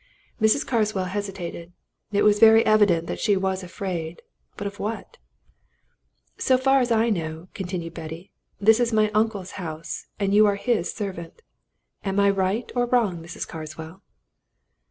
Mrs. Carswell hesitated. It was very evident that she was afraid. But of what? "So far as I know," continued Betty, "this is my uncle's house, and you're his servant. Am I right or wrong, Mrs. Carswell?"